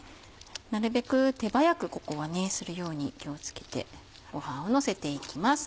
なるべく手早くここはするように気を付けてご飯をのせていきます。